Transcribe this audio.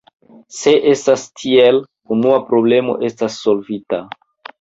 Se estas tiel, unua problemo estas solvita.